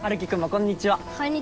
こんにちは。